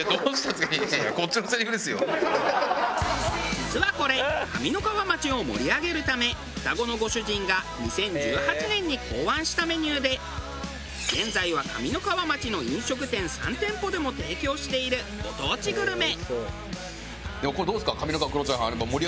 実はこれ上三川町を盛り上げるため双子のご主人が２０１８年に考案したメニューで現在は上三川町の飲食店３店舗でも提供しているご当地グルメ。